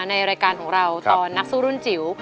ในรายการของเราตอนนักสู้รุ่นจิ๋ว